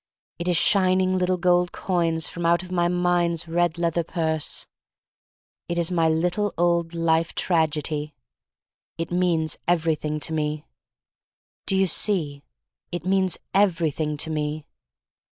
It is shining little gold coins from out of my mind's red leather purse. It is my little old life tragedy. It means everything to me. Do you see? — it means everything' to me.